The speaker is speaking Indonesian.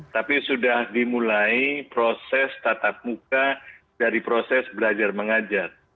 tapi sudah dimulai proses tatap muka dari proses belajar mengajar